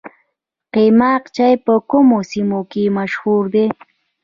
قیماق چای په کومو سیمو کې مشهور دی؟